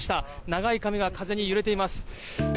長い髪が風に揺れています。